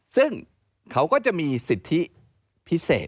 ซึ่งเขาก็จะมีสิทธิพิเศษ